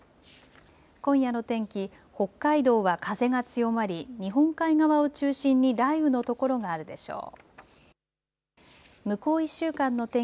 今夜の天気、北海道は風が強まり日本海側を中心に雷雨の所があるでしょう。